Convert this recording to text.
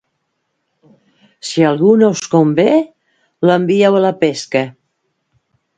Si algú no us convé, l'envieu... a la pesca.